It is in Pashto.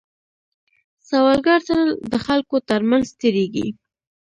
سوالګر تل د خلکو تر منځ تېرېږي